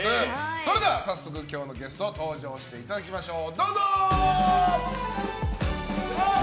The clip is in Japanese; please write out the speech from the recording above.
それでは早速、今日のゲスト登場していただきましょう！